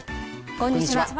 こんにちは。